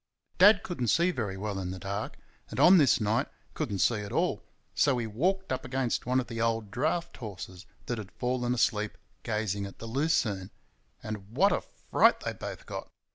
Dad could n't see very well in the dark, and on this night could n't see at all, so he walked up against one of the old draught horses that had fallen asleep gazing at the lucerne. And what a fright they both got!